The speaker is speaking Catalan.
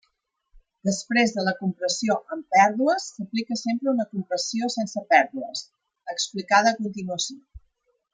Després de la compressió amb pèrdues s'aplica sempre una compressió sense pèrdues, explicada a continuació.